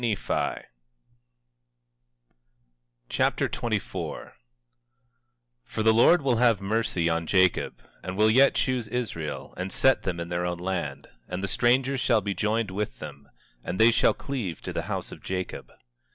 2 Nephi Chapter 24 24:1 For the Lord will have mercy on Jacob, and will yet choose Israel, and set them in their own land; and the strangers shall be joined with them, and they shall cleave to the house of Jacob.